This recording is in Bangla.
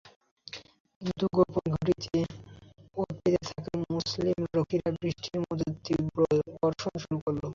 কিন্তু গোপন ঘাঁটিতে ওঁত পেতে থাকা মুসলিম রক্ষীরা বৃষ্টির মত তীর বর্ষণ শুরু করে।